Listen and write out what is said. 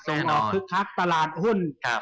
ส่งออกต้องคึกคักตลาดหุ้นก็คึกคัก